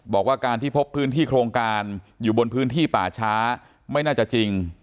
บอกว่าการที่พบพื้นที่โครงการอยู่บนพื้นที่ป่าช้าไม่น่าจะจริง